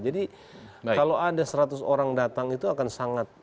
kalau ada seratus orang datang itu akan sangat